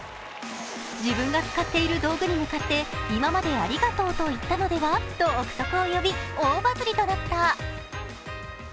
自分が使っている道具に向かって、今までありがとうと言ったのでは？と憶測を呼び、大バズりとなった。